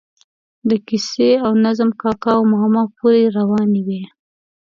د کیسې او نظم کاکا او ماما پورې روانې وي.